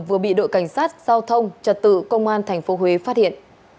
vừa bị đội cảnh sát giao thông trật tự công an tp huế phát hiện